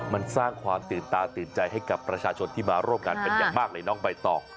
มันสร้างความตื่นตาตื่นใจให้กับประชาชนที่มาร่วมงานเป็นอย่างมากเลยน้องใบตอง